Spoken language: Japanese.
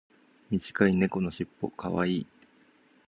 短い猫のしっぽ可愛い。